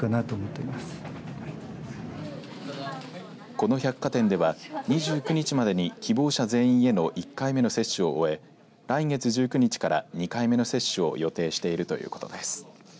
この百貨店では２９日までに希望者全員への１回目の接種を終え来月１９日から２回目の接種を予定しているということです。